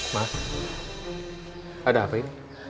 ma ada apa ini